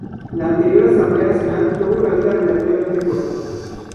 La anterior Asamblea Nacional tuvo una vida relativamente corta.